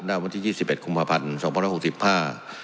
นับวันที่๒๑คุมภาพันธ์สองพันร้อยหกสิบห้า